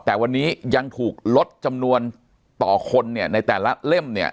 แต่วันนี้ยังถูกลดจำนวนต่อคนเนี่ยในแต่ละเล่มเนี่ย